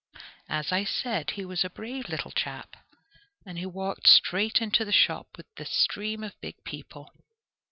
As I said, he was a brave little chap, and he walked straight into the shop with the stream of big people.